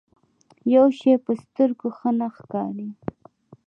يو شی په سترګو ښه نه ښکاري.